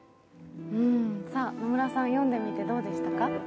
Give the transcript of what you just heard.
野村さん、読んでみてどうでしたか？